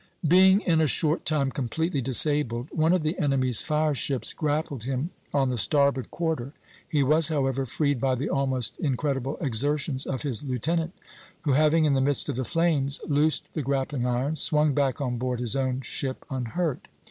"Being in a short time completely disabled, one of the enemy's fire ships grappled him on the starboard quarter; he was, however, freed by the almost incredible exertions of his lieutenant, who, having in the midst of the flames loosed the grappling irons, swung back on board his own ship unhurt.